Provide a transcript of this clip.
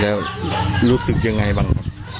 แล้วรู้สึกยังไงบ้าง